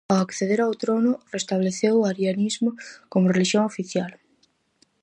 Ao acceder ao trono, restableceu o arianismo como relixión oficial.